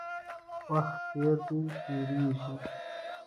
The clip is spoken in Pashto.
وخت دی، تېرېږي.